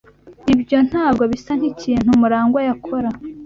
Ibyo ntabwo bisa nkikintu Murangwa yakora.